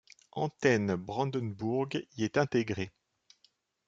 Antenne Brandenburg y est intégrée.